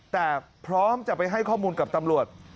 แต่พร้อมจะไปให้ข้อมูลกับตำรวจ